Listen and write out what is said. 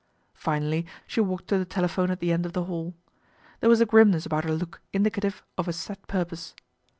Finally, she walked to the elephone at the end of the hall. There was a rimness about her look indicative of a set purpose.